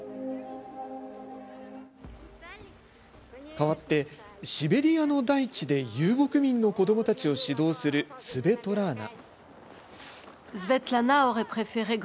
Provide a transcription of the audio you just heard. かわって、シベリアの大地で遊牧民の子どもたちを指導するスヴェトラーナ。